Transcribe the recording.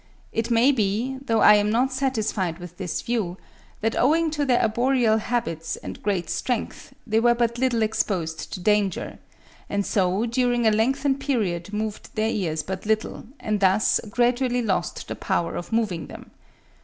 It may be, though I am not satisfied with this view, that owing to their arboreal habits and great strength they were but little exposed to danger, and so during a lengthened period moved their ears but little, and thus gradually lost the power of moving them.